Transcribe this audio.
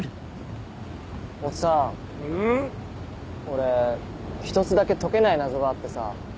俺１つだけ解けない謎があってさ。